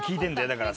だから。